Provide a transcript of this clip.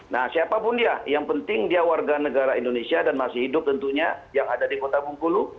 nah siapapun dia yang penting dia warga negara indonesia dan masih hidup tentunya yang ada di kota bungkulu